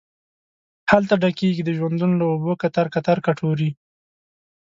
هلته ډکیږې د ژوندون له اوبو کتار، کتار کټوري